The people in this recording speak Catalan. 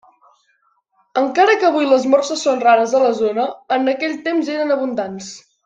Encara que avui les morses són rares a la zona en aquell temps eren abundants.